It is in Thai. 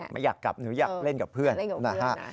ไม่อยากกลับอยากเล่นกับเพื่อน